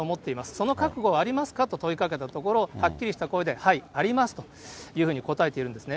その覚悟はありますかと問いかけたところ、はっきりした声ではい、ありますというふうに答えているんですね。